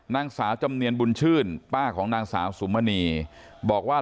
นางสาวจำเนียนบุญชื่นป้าของนางสาวสุมณีบอกว่า